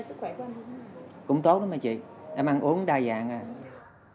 cũng tốt lắm nha chị em ăn uống đa dạng à